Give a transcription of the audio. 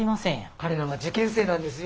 彼らは受験生なんですよ？